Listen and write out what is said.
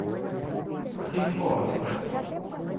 O que tem fora?